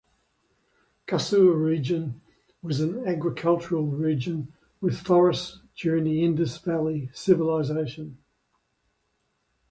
Kasur region was an agricultural region with forests during the Indus Valley Civilization.